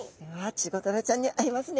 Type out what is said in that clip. チゴダラちゃんに会えますね。